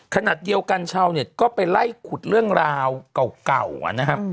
ขนาดเยียวกันเช่าเนี่ยก็ไปไล่ขุดเรื่องราวเก่าอ่ะนะครับ